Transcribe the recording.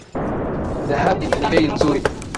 Dhahabu ni bei nzuri.